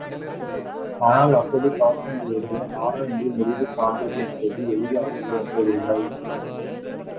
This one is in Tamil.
ஆனால், அப்படிப் பார்க்கும்பொழுது, ஆராய்ந்து முடிவு காண்பது என்பது எளிதாகத் தோன்றவில்லை.